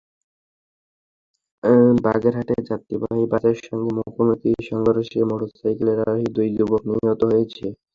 বাগেরহাটে যাত্রীবাহী বাসের সঙ্গে মুখোমুখি সংঘর্ষে মোটরসাইকেলের আরোহী দুই যুবক নিহত হয়েছেন।